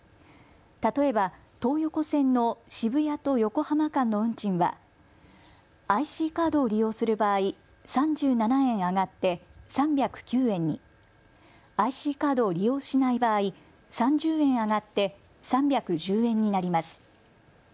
例えば東横線の渋谷と横浜間の運賃はＩＣカードを利用する場合、３７円上がって３０９円に、ＩＣカードを利用しない場合、３０円上がって３１０円になります。